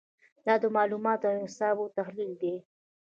دا د معلوماتو او حساباتو تحلیل دی.